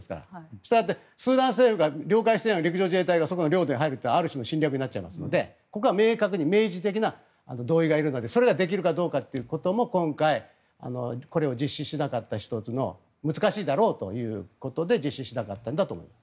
したがって、スーダン政府が了解していないのに陸上自衛隊がそこの領土に入るとある種の侵略になっちゃいますのでここは明確に明示的な同意がいるのでそれができるかどうかということも今回、これを実施しなかったことの１つの難しいだろうということで実施しなかったんだと思います。